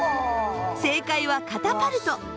正解はカタパルト。